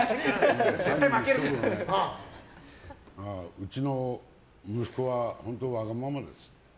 うちの息子は本当わがままですって。